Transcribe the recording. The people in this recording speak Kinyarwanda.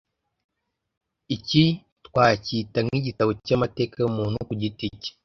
Iki twacyita nk’ igitabo cyamateka yumuntu kugiti cye